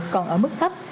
còn ở mức thấp